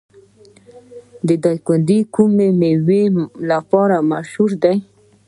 دایکنډي د کومې میوې لپاره مشهور دی؟